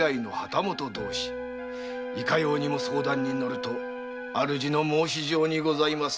いかようにも相談に乗ると主の申し状にございます。